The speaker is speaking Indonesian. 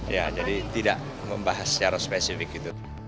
ya jadi tidak membahas secara spesifik gitu